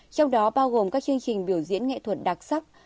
trong đó bao gồm các chương trình biểu diễn nghệ thuật đặc sắc